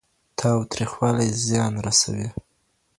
تاوتريخوالی زيان رسوي.